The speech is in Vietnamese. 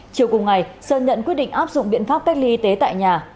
chiều cùng ngày sơn nhận quyết định áp dụng biện pháp cách ly y tế tại nhà